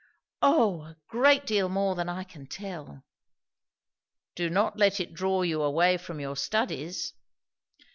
"O, a great deal more than I can tell!" "Do not let it draw you away from your studies."